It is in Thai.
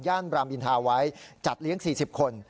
บรามอินทาไว้จัดเลี้ยง๔๐คน